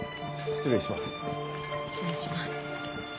失礼します。